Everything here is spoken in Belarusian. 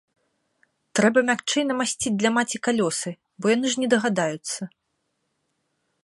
Трэба мякчэй намасціць для маці калёсы, бо яны ж не дагадаюцца.